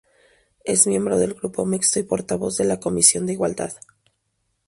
Es miembro del Grupo Mixto y portavoz de la Comisión de Igualdad.